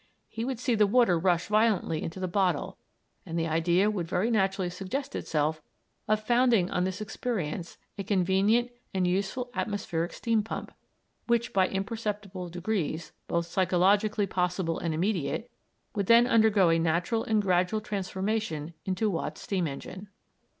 He would see the water rush violently into the bottle, and the idea would very naturally suggest itself of founding on this experience a convenient and useful atmospheric steam pump, which by imperceptible degrees, both psychologically possible and immediate, would then undergo a natural and gradual transformation into Watt's steam engine.